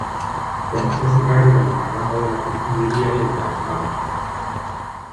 Comenzó su carrera en la rama de la curtiduría y el calzado.